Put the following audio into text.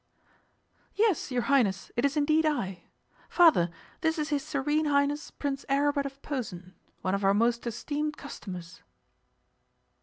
'Yes, your Highness, it is indeed I. Father, this is his Serene Highness Prince Aribert of Posen one of our most esteemed customers.